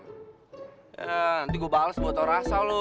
ya nanti gue bales buat tau rasa lo